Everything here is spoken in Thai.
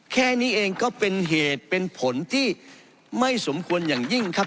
แค่นี้เองก็เป็นเหตุเป็นผลที่ไม่สมควรอย่างยิ่งครับ